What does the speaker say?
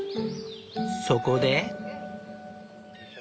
そこで。